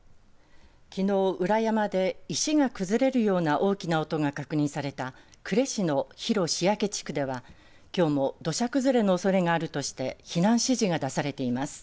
きのう、裏山で石が崩れるような大きな音が確認された呉市の広塩焼地区ではきょうも土砂崩れのおそれがあるとして避難指示が出されています。